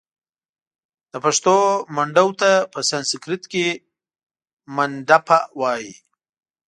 د پښتو منډو Mandaw ته په سنسیکرت کښې Mandapa وايي